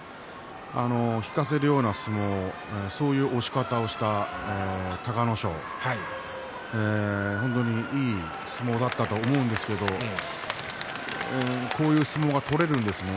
引かせるような相撲そういう押し方をした隆の勝、本当にいい相撲だったと思うんですけどこういう相撲が取れるんですね。